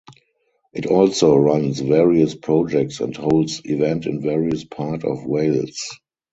It also runs various projects and holds event in various part of Wales.